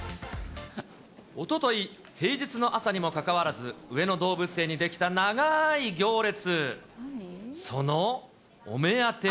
おととい、平日の朝にもかかわらず、上野動物園に出来た長い行列。